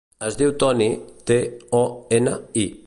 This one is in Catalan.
Es diu Toni: te, o, ena, i.